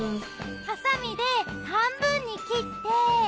ハサミで半分に切って。